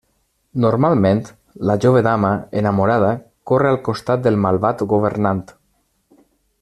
Normalment, la jove dama, enamorada, corre al costat del malvat governant.